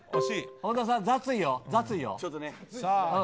本田さん、雑いよ。